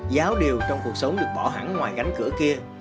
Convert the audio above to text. giáo điều trong cuộc sống được bỏ hẳn ngoài